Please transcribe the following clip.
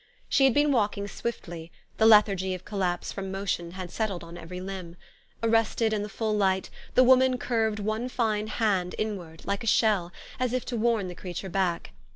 She had been walking swiftly : the lethargy of collapse from motion had settled on every limb. Arrested in the full light, the woman curved one fine hand inward, like a shell, as if to warn the creature back.